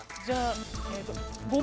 じゃあ。